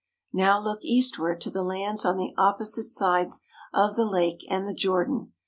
Now look eastward to the lands on the opposite sides of the lake and the Jordan.